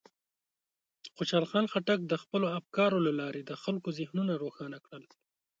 خوشحال خان خټک د خپلو افکارو له لارې د خلکو ذهنونه روښانه کړل.